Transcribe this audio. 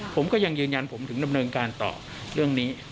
ผมก็ยังยืนยันผมถึงดำเนินการต่อเรื่องนี้